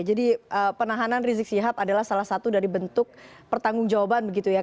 penahanan rizik sihab adalah salah satu dari bentuk pertanggung jawaban begitu ya